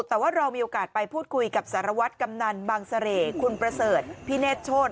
แต่ว่าเรามีโอกาสไปพูดคุยกับสารวัตรกำนันบางเสร่คุณประเสริฐพิเนธโชธ